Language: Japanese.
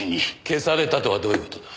消されたとはどういう事だ？